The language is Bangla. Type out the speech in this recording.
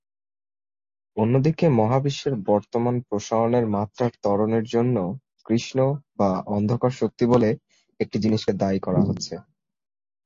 অন্যদিকে মহাবিশ্বের বর্তমান প্রসারণের মাত্রার ত্বরণের জন্য কৃষ্ণ বা অন্ধকার শক্তি বলে একটি জিনিসকে দায়ী করা হচ্ছে।